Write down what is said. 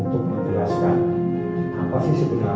terima kasih kepada indonesia